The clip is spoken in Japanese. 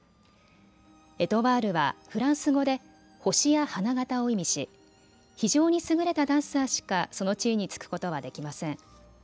エトワールはフランス語で星や花形を意味し非常に優れたダンサーしかその地位に就くことはできません。